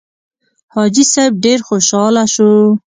حاجي صیب ډېر خوشاله شو.